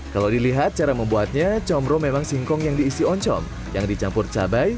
kalau dilihat cara membuatnya comro memang singkong yang diisi oncom yang dicampur cabai